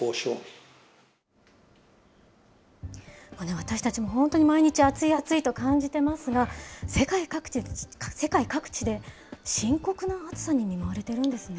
私たちも本当に毎日、暑い暑いと感じてますが、世界各地で深刻な暑さに見舞われてるんですね。